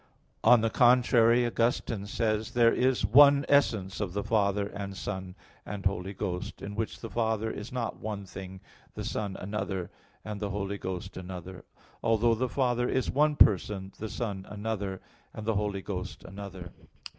On the contrary, Augustine [*Fulgentius, De Fide ad Petrum i.] says: "There is one essence of the Father and Son and Holy Ghost, in which the Father is not one thing, the Son another, and the Holy Ghost another; although the Father is one person, the Son another, and the Holy Ghost another."